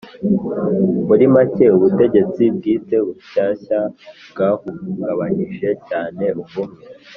Muri make ubutegetsi bwite bushyashya bwahungabanyije cyane ubumwe